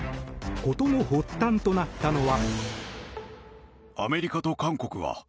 事の発端となったのは。